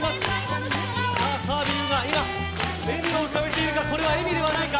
澤部佑が今笑みを浮かべているのかこれは笑みではないか。